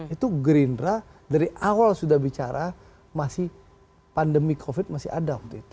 itu gerindra dari awal sudah bicara masih pandemi covid masih ada waktu itu